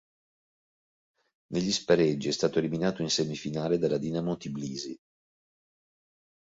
Negli spareggi è stato eliminato in semifinale dalla Dinamo Tbilisi.